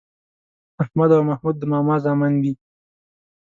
احمد او محمود د ماما زامن دي